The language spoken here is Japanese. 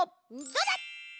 どうだ？